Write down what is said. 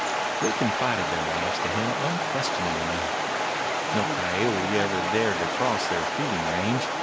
They confided their lives to him unquestioningly. No coyote ever dared to cross their feeding range.